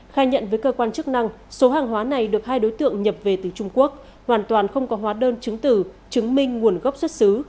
khai nhận với cơ quan chức năng số hàng hóa này được hai đối tượng nhập về từ trung quốc hoàn toàn không có hóa đơn chứng tử chứng minh nguồn gốc xuất xứ